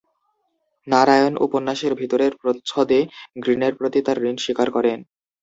নারায়ণ উপন্যাসের ভিতরের প্রচ্ছদে গ্রিনের প্রতি তার ঋণ স্বীকার করেন।